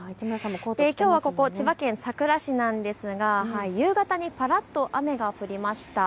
きょうはここ千葉県佐倉市なんですが、夕方にぱらっと雨が降りました。